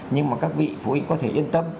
nhưng mà các vị phụ huynh có thể yên tâm